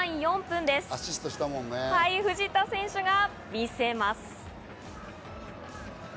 藤田選手が魅せます。